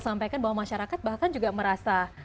sampaikan bahwa masyarakat bahkan juga merasa